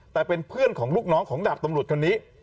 แต่เป็นเพื่อนของลูกน้องของดาบตำรวจคนนี้